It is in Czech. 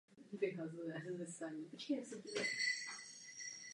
Pojem rudý oceán představuje známý tržní prostor a zahrnuje všechna existující odvětví.